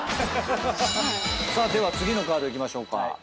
では次のカードいきましょうか。